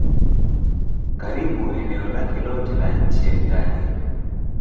Karibu eneo lake lote ni nchi ya Italia.